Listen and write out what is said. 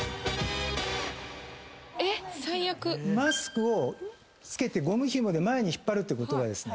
マスクを着けてゴムヒモで前に引っ張るってことはですね